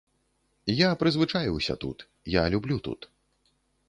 Я прызвычаіўся тут, я люблю тут.